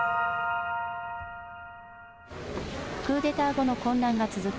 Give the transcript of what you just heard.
クーデター後の混乱が続く